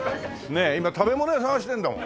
ねえ今食べ物屋探してるんだよ。